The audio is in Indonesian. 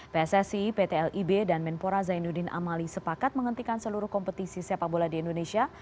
pssi pt lib dan menpora zainuddin amali sepakat menghentikan seluruh kompetisi sepak bola di indonesia